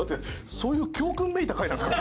そういう教訓めいた回なんですか？